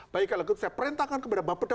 baik kalau gitu saya perintahkan kepada mbak beda